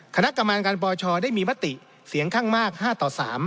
คณะกรรมการปชได้มีมติเสียงข้างมาก๕ต่อ๓